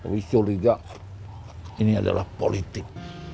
wisul juga ini adalah politik